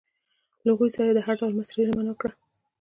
له هغوی سره یې د هر ډول مرستې ژمنه وکړه.